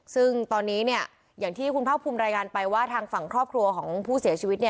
ซึ่งตอนนี้อย่างที่คุณภาคภูมิรายงานไปว่าทางฝั่งครอบครัวของผู้เสียชีวิต